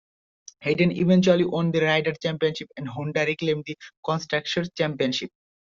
Hayden eventually won the rider championship and Honda reclaimed the constructor's championship.